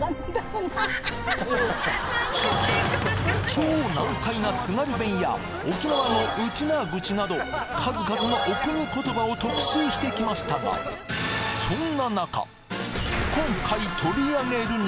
超難解な津軽弁や沖縄のウチナーグチなど数々のお国言葉を特集してきましたがそう！